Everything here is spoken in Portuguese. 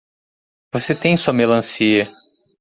Você tem sua melancia.